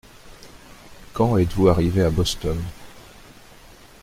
Quand êtes-vous arrivé à Boston ?